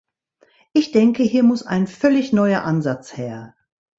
Ich denke, hier muss ein völlig neuer Ansatz her.